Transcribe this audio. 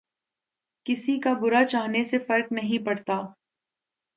کســـی کے برا چاہنے سے فرق نہیں پڑتا